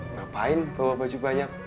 ngapain bawa baju banyak